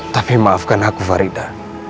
tapi maafkan aku farida